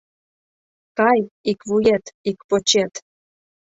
Кай, ик вует, ик почет...»